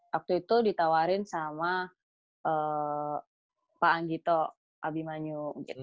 waktu itu ditawarin sama pak anggito abimanyu